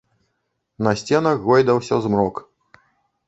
На сценах гойдаўся змрок.